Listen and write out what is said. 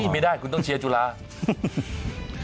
ไม่ได้คุณต้องเชียร์จุฬาธรรมศาสตร์